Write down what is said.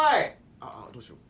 あっどうしよう。